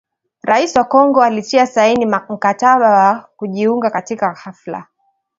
Rais wa Kongo alitia saini mkataba wa kujiunga katika hafla